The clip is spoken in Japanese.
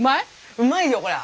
うまいよこりゃ。